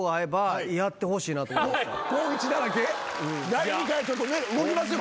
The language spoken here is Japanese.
第２弾ちょっとね動きますよ